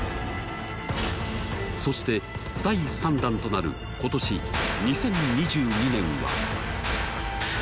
そして第３弾となる今年２０２２年は。